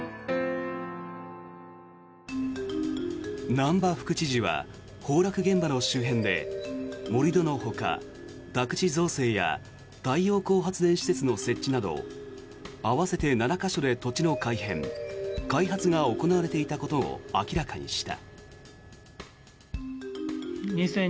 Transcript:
難波副知事は崩落現場の周辺で盛り土のほか宅地造成や太陽光発電施設の設置など合わせて７か所で土地の改変・開発が行われていたことを明らかにした。